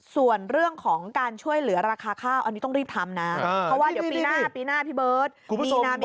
ส่วนเรื่องของการช่วยเหลือราคาข้าวอันนี้ต้องรีบทำนะเพราะว่าเดี๋ยวปีหน้าปีหน้าพี่เบิร์ต